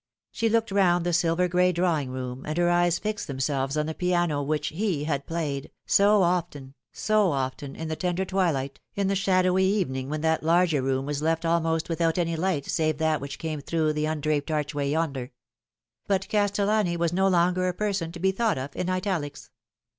She looked round the silver gray drawing room, and her eyes fixed themselves on the piano which he had played, so often, so often, in the tender twilight, in the shadowy evening when that larger room was left almost without any light save that wliich came through the undraped archway yonder. But Castellani was no longer a person to be thought of in italics.